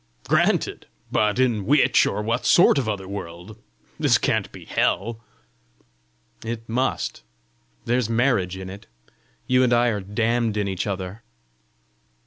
"Granted! but in which or what sort of other world? This can't be hell!" "It must: there's marriage in it! You and I are damned in each other."